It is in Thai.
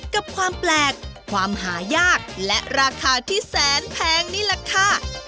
กับความแปลกความหายากและราคาที่แสนแพงนี่แหละค่ะ